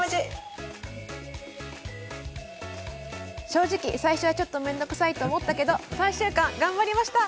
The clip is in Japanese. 正直、最初はちょっと面倒くさいと思ったけど３週間、頑張りました。